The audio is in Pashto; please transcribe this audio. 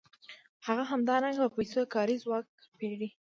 هغه همدارنګه په پیسو کاري ځواک پېري